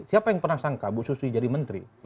siapa yang pernah sangka bu susi jadi menteri